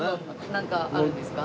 なんかあるんですか？